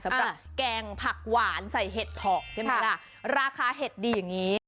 แกงผักหวานใส่เห็ดเพาะใช่ไหมล่ะราคาเห็ดดีอย่างนี้